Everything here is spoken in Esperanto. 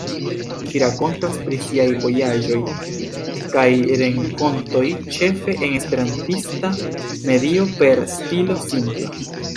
Ŝi rakontas pri siaj vojaĝoj kaj renkontoj ĉefe en esperantista medio per stilo simpla.